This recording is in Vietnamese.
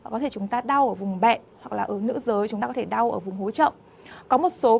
có thể chúng ta đau ở vùng bệnh hoặc là ở nữ giới chúng ta có thể đau ở vùng hố trọng